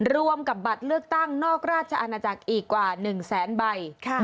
รวมกับบัตรเลือกตั้งนอกราชอาณาจักรอีกกว่า๑แสนใบ